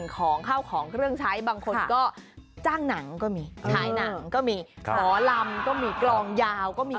ของข้าวของเครื่องใช้บางคนก็จ้างหนังก็มีฉายหนังก็มีหมอลำก็มีกลองยาวก็มี